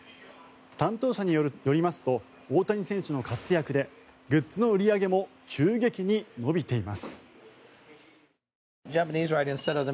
担当者によりますと大谷選手の活躍でグッズの売り上げも急激に伸びています。